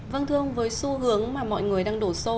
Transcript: vâng thưa ông với xu hướng mà mọi người đang đổ xô